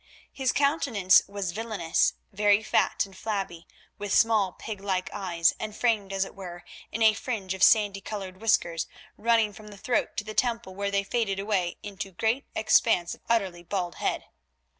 His countenance was villainous, very fat and flabby, with small, pig like eyes, and framed, as it were, in a fringe of sandy coloured whiskers, running from the throat to the temple, where they faded away into a great expanse of utterly bald head.